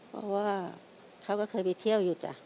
เพราะว่าเขาก็เคยไปเที่ยวหยุดจ้ะ